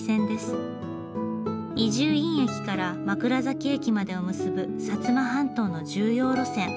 伊集院駅から枕崎駅までを結ぶ摩半島の重要路線。